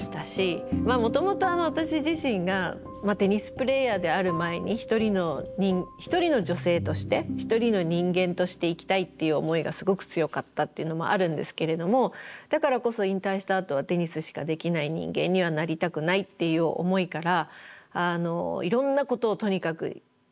もともと私自身がテニスプレーヤーである前に一人の女性として一人の人間として生きたいっていう思いがすごく強かったっていうのもあるんですけれどもだからこそ引退したあとはテニスしかできない人間にはなりたくないっていう思いからいろんなことをとにかくやり始めて。